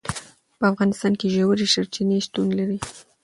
په افغانستان کې ژورې سرچینې شتون لري.